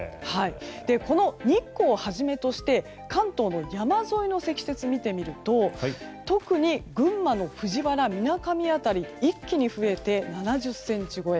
この日光をはじめとして関東の山沿いの積雪を見てみると特に群馬の藤原、みなかみ辺り一気に増えて７０ｃｍ超え。